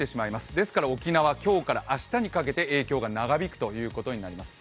ですから沖縄、今日から明日にかけて影響が長引くということになります。